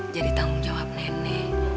jadi tanggung jawab nene